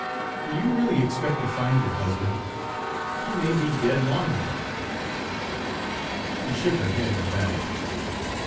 "Do you really expect to find your husband? He may be dead long ago." She shook her head emphatically.